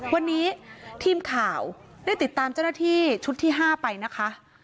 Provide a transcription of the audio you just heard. วันนี้ทีมข่าวได้ติดตามเจ้าหน้าที่ชุดที่๕ไปนะคะ